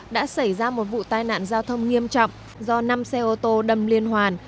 đã xảy ra một vụ tai nạn giao thông nghiêm trọng do năm xe ô tô đâm liên hoàn